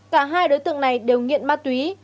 cả hai đối tượng này đều nghiện ma túy